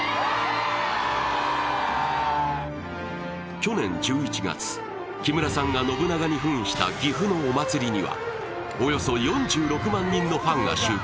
去年１１月、木村さんが信長にふんした岐阜のお祭りにはおよそ４６万人のファンが集結。